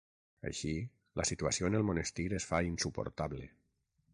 Així, la situació en el monestir es fa insuportable.